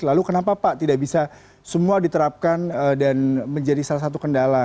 lalu kenapa pak tidak bisa semua diterapkan dan menjadi salah satu kendala